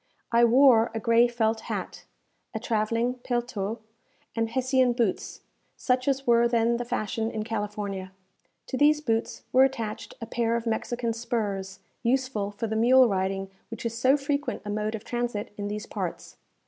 I wore a gray felt hat, a travelling paletot, and Hessian boots, such as were then the fashion in California. To these boots were attached a pair of Mexican spurs, useful for the mule riding which is so frequent a mode of transit in these parts.